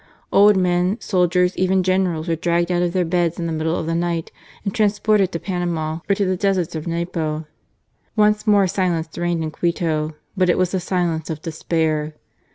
Old men, soldiers, even generals were dragged out of their beds in the middle of the night and trans ported to Panama or to the deserts of Napo. Once more silence reigned in Quito ; but it was the silence of despair.